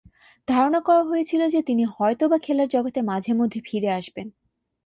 ধারণা করা হয়েছিল যে, তিনি হয়তোবা খেলার জগতে মাঝে-মধ্যে ফিরে আসবেন।